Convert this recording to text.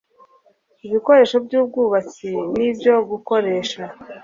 ibikoresho by ubwubatsi n ibyo gukoresha